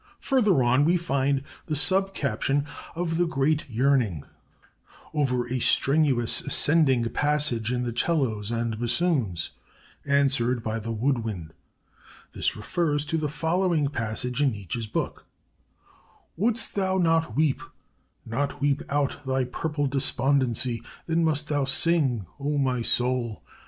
"Further on we find the sub caption, 'OF THE GREAT YEARNING,' over a strenuous ascending passage in the 'cellos and bassoons, answered by the wood wind. This refers to the following passage in Nietzsche's book: 'Wouldst thou not weep, not weep out thy purple despondency, then must thou sing, O my soul!...